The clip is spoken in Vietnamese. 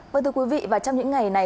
vâng thưa quý vị và trong những ngày này